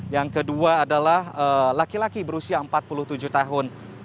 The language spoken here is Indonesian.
yang kedua adalah laki laki berusia empat puluh tujuh tahun